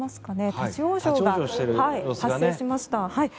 立ち往生が発生しました。